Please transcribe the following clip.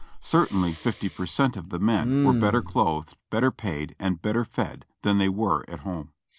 Certainly fifty per cent, of the men were better clothed, better paid and better fed than they were at home.